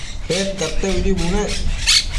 Bedcadteuidi bunec